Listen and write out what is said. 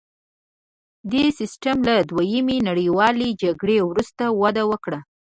دې سیستم له دویمې نړیوالې جګړې وروسته وده وکړه